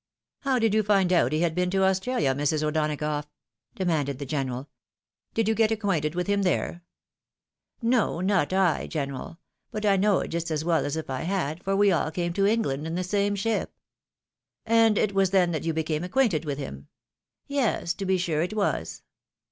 " How did you find out he had been to Australia, Mrs. O'Donagough? " demanded the general. "Did you get ac quainted with him there ?"" No, not I, general — but I know it just as well as if I had, for we all came to England in the same ship." " And it was then that you became acquainted with him?" " Yes, to be sure it was."